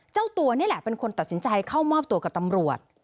เจ้าตัวนี่แหละเป็นคนตัดสินใจเข้ามอบตัวกับตำรวจ